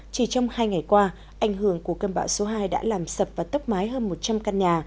chỉ trong hai ngày qua ảnh hưởng của cơn bão số hai đã làm sập và tốc mái hơn một trăm linh căn nhà